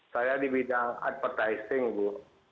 saya di bidang advertising bu